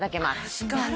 確かに。